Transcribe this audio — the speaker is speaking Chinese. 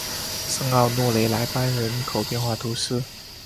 圣奥诺雷莱班人口变化图示